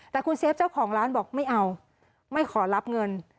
แต่คุณเซฟเจ้าของร้านบอกไม่เอาไม่ขอรับเงิน